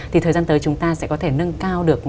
thì thời gian tới chúng ta sẽ có thể nâng cao được